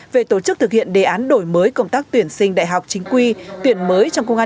về tổ chức thực hiện đề án đổi mới công tác tuyển sinh đại học chính quy tuyển mới trong công an